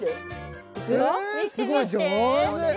すごい上手！